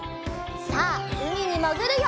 さあうみにもぐるよ！